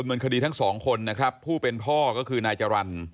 ตั้งแต่สองคนนะครับผู้เป็นพ่อก็คือนายจรรย์